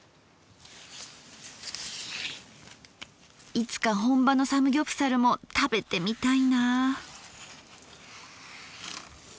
いつか本場のサムギョプサルも食べてみたいなぁ。